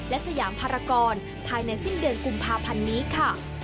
และสยามภารกรภายในสิ้นเดือนกุมภาพันธ์นี้ค่ะ